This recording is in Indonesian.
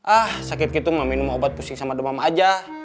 ah sakit gitu mah minum obat pusing sama demam aja